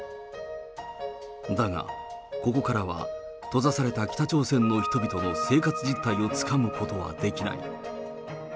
だが、ここからは、閉ざされた北朝鮮の人々の生活実態をつかむことはできない。